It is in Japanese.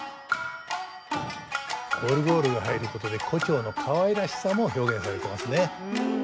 オルゴールが入ることで胡蝶のかわいらしさも表現されてますね。